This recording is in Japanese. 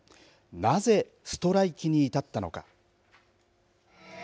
なぜ、ストライキに至ったのか。